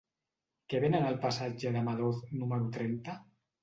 Què venen al passatge de Madoz número trenta?